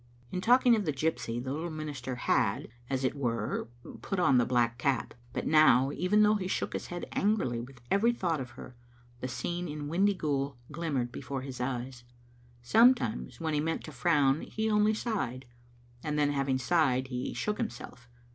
In talking of the gypsy, the little minister had, as it were, put on the black cap ; but now, even though he shook his head angrily with every thought of her, the scene in Windyghoul glimmered before his eyes Digitized by VjOOQ IC Hubadtjs ot tht tUlomait n Sometimes when he meant to frown he only sighed, and then having sighed he shook himself.